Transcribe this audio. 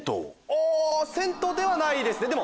銭湯ではないですね。